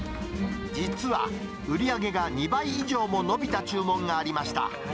実は、売り上げが２倍以上も伸びた注文がありました。